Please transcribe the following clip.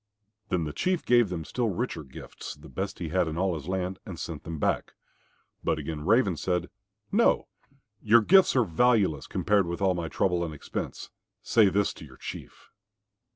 Then the Chief gave them still richer gifts, the best he had in all his land, and sent them back. But again Raven said, "No, your gifts are valueless, compared with my trouble and expense. Say this to your Chief."